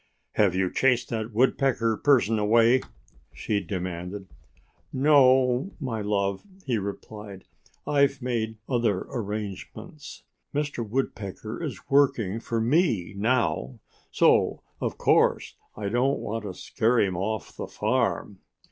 "Have you chased that Woodpecker person away?" she demanded. "No, my love," he replied. "I 've made other arrangements. Mr. Woodpecker is working for me now. So of course I don't want to scare him off the farm.